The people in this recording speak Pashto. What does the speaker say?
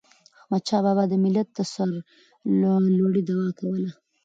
احمدشاه بابا به د ملت د سرلوړی دعا کوله.